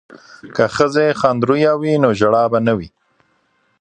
که ښځې خندرویه وي نو ژړا به نه وي.